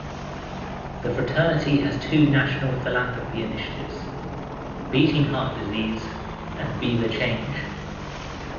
The fraternity has two national philanthropy initiatives: Beating Heart Disease and Be the Change.